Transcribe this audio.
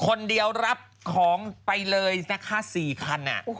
คนเดียวรับของไปเลยนะคะ๔คัน